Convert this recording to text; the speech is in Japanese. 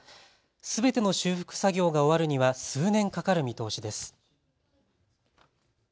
すべての修復作業が終わるには数年かかる見通しです。